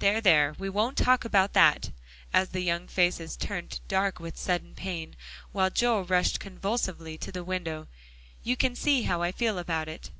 There, there, we won't talk about that," as the young faces turned dark with sudden pain, while Joel rushed convulsively to the window, "you can see how I feel about it."